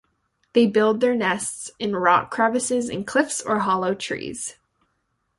They build their nests in rock crevices in cliffs or hollow trees.